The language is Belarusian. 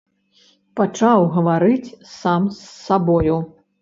Пачаў гаварыць сам з сабою.